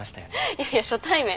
いやいや初対面。